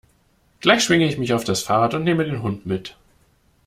Gleich schwinge ich mich auf das Fahrrad und neme den Hund mit.